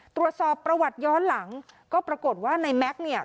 ตรวจสอบประวัติย้อนหลังก็ปรากฏว่าในแม็กซ์เนี่ย